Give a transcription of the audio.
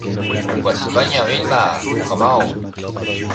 como un resorte. Vilma, vale.